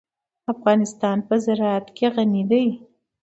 افغانستان په زراعت غني دی.